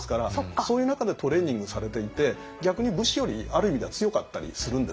そういう中でトレーニングされていて逆に武士よりある意味では強かったりするんですよね。